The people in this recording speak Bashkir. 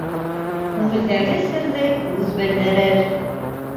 Күңелдәге серҙе күҙ белдерер.